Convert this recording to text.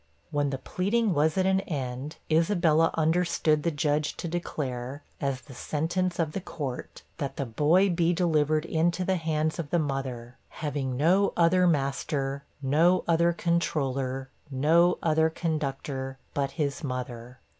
When the pleading was at an end, Isabella understood the Judge to declare, as the sentence of the Court, that the 'boy be delivered into the hands of the mother having no other master, no other controller, no other conductor, but his mother.'